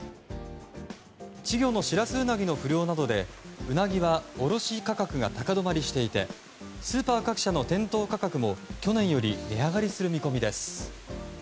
稚魚のシラスウナギの不漁などでウナギは卸売り価格が高止まりしていてスーパー各社の店頭価格も去年より値上がりする見込みです。